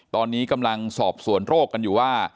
ตอนนี้กำลังสอบสวนโรคกันอยู่ว่า